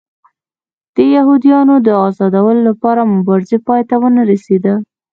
د یهودیانو د ازادولو لپاره مبارزه پای ته ونه رسېده.